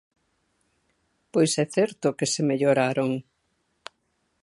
Pois é certo que se melloraron.